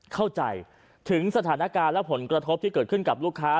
เข้าใจถึงสถานการณ์และผลกระทบที่เกิดขึ้นกับลูกค้า